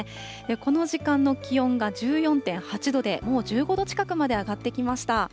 この時間の気温が１４．８度で、もう１５度近くまで上がってきました。